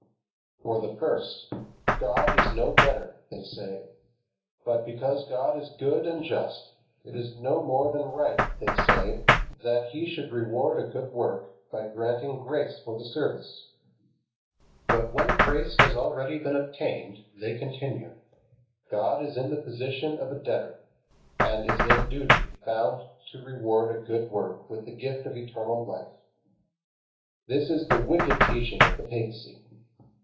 For the first, God is no debtor, they say; but because God is good and just, it is no more than right (they say) that He should reward a good work by granting grace for the service. But when grace has already been obtained, they continue, God is in the position of a debtor, and is in duty bound to reward a good work with the gift of eternal life. This is the wicked teaching of the papacy.